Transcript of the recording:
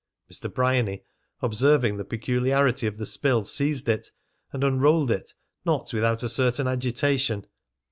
Mr. Bryany, observing the peculiarity of the spill, seized it and unrolled it, not without a certain agitation.